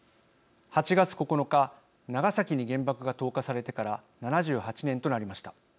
８月９日長崎に原爆が投下されてから７８年となりました。